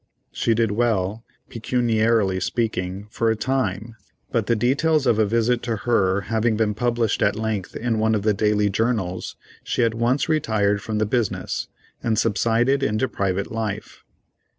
She did well, pecuniarily speaking, for a time, but the details of a visit to her having been published at length in one of the daily journals, she at once retired from the business, and subsided into private life.